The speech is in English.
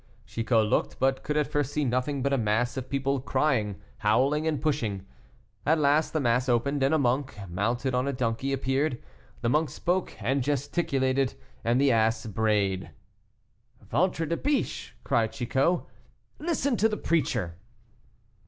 Chicot looked, but could at first see nothing but a mass of people crying, howling, and pushing. At last the mass opened, and a monk, mounted on a donkey, appeared. The monk spoke and gesticulated, and the ass brayed. "Ventre de biche!" cried Chicot, "listen to the preacher."